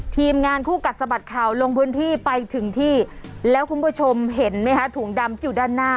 ทีมงานคู่กัดสะบัดข่าวลงพื้นที่ไปถึงที่แล้วคุณผู้ชมเห็นไหมคะถุงดำที่อยู่ด้านหน้า